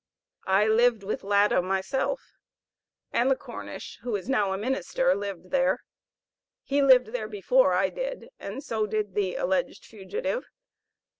I lived with Latta myself, and the Cornish, who is now a minister, lived there; he lived there before I did, and so did the alleged fugitive.